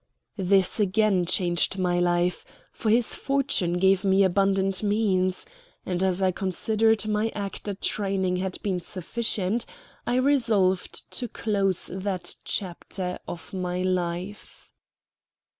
This again changed my life, for his fortune gave me abundant means; and as I considered my actor training had been sufficient, I resolved to close that chapter of my life.